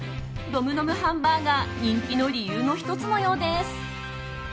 ドムドムハンバーガー人気の理由の１つのようです。